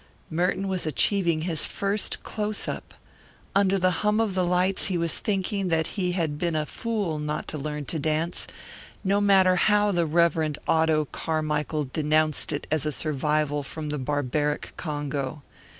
Merton was achieving his first close up. Under the hum of the lights he was thinking that he had been a fool not to learn dancing, no matter how the Reverend Otto Carmichael denounced it as a survival from the barbaric Congo.